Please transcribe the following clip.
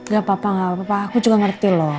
gak apa apa aku juga ngerti loh